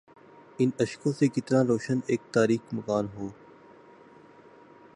ان اشکوں سے کتنا روشن اک تاریک مکان ہو